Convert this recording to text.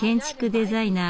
デザイナー